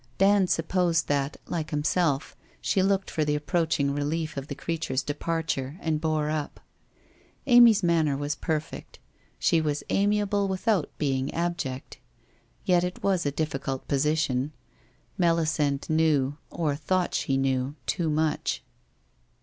Dand supposed that, like himself, she looked for the approaching relief of the creature's departure and bore up. Amy's manner was perfect. She was amiable without being abject. Yet it was a difficult position. Melisande knew, or thought she knew, too much.